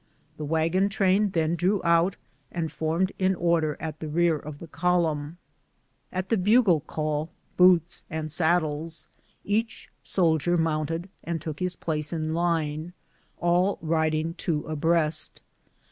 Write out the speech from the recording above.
The wagon train then drew out and formed in order at the rear of the column. At the bugle call, " boots and saddles," each soldier mounted and took his place in line, all riding two abreast.